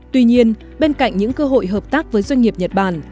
tuy nhiên bên cạnh những cơ hội hợp tác với doanh nghiệp nhật bản